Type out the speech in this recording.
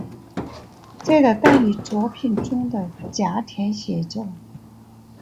在的代理作品中的甲田写作。